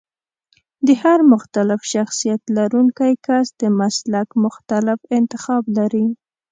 د هر مختلف شخصيت لرونکی کس د مسلک مختلف انتخاب لري.